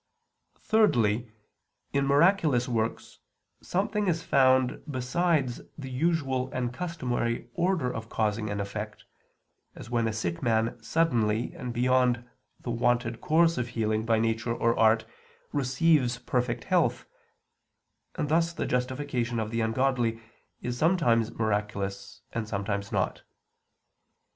Thirdly, in miraculous works something is found besides the usual and customary order of causing an effect, as when a sick man suddenly and beyond the wonted course of healing by nature or art, receives perfect health; and thus the justification of the ungodly is sometimes miraculous and sometimes not.